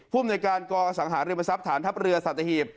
ภูมิในการกองอสังหาริมทรัพย์ฐานทัพเรือสัตหีบ